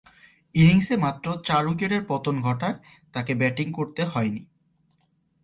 ইনিংসে মাত্র চার উইকেটের পতন ঘটায় তাকে ব্যাটিং করতে হয়নি।